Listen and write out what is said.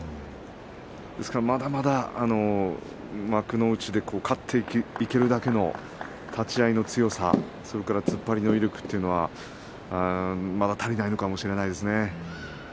ですから、まだまだ幕内で勝っていけるだけの立ち合いの強さ、それから突っ張りの威力というのはまだ足りないのかもしれないですね。